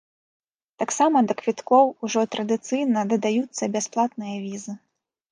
Таксама да квіткоў ужо традыцыйна дадаюцца бясплатныя візы.